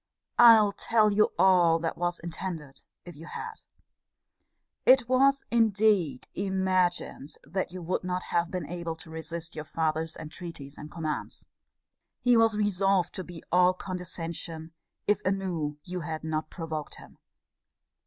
I'll tell you all that was intended if you had. It was, indeed, imagined that you would not have been able to resist your father's entreaties and commands. He was resolved to be all condescension, if anew you had not provoked him.